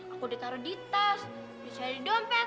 aku udah taruh di tas udah cari dompet